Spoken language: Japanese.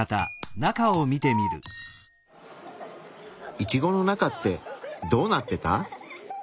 イチゴの中ってどうなってた？